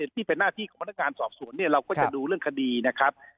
ที่เป็นหน้าที่ของพนักงานสอบสวนเนี่ยเราก็จะดูเรื่องคดีนะครับ